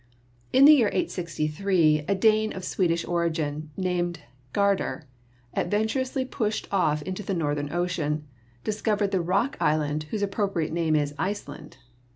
In the year 863 a Dane of Swedish origin, named Gar dar, adventurously pushing off into the Northern Ocean, discovered the island rock whose appropriate name is Ice land.